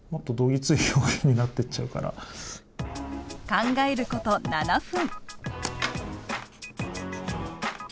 考えること７分。